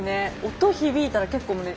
音響いたら結構ね